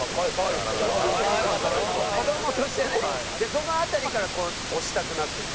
どの辺りから推したくなっていったの？